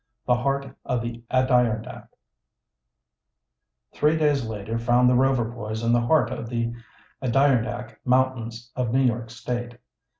THE HEART OF THE ADIRONDACK. Three days later found the Rover boys in the heart of the Adirondack Mountains of New York State.